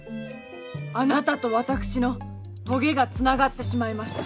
あなたと私のとげがつながってしまいました。